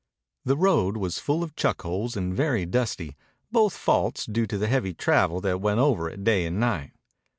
The road was full of chuck holes and very dusty, both faults due to the heavy travel that went over it day and night.